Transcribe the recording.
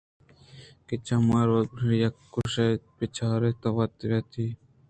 کہ چماہاں (روباہ ءُ مم) یکّےءَگوٛشت بِہ چار اِد ءَ من ءُ تو وت ماں وت یکے دومی ءَ را جت ءُ ٹپّی کُت